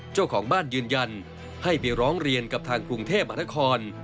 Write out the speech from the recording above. เจ้าของบ้านยืนยันให้ไปร้องเรียนกับทางกรุงเทพมหานคร